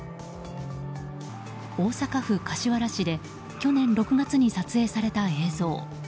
大阪府柏原市で去年６月に撮影された映像。